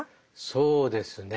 そうですね